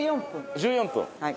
１４分。